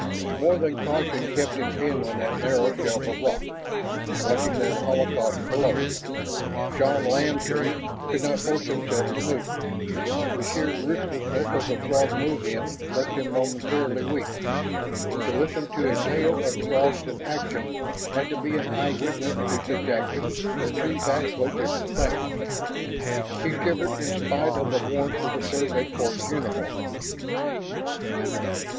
More than caution kept him pinned on that narrow shelf of rock. Watching that holocaust below, Shann Lantee could not force himself to move. The sheer ruthlessness of the Throg move in left him momentarily weak. To listen to a tale of Throgs in action, and to be an eye witness to such action, were two vastly different things. He shivered in spite of the warmth of the Survey Corps uniform.